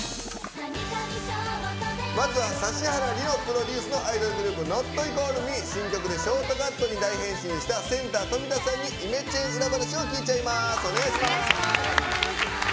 まずは指原莉乃プロデュースのアイドルグループ≠ＭＥ新曲でショートカットに大変身したセンター・冨田さんにイメチェン裏話を聞いちゃいます！